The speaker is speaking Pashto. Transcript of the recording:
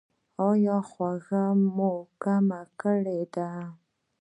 ایا خوږه مو کمه کړې ده؟